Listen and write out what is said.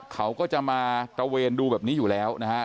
เขาก็จะมาตระเวนดูแบบนี้อยู่แล้วนะฮะ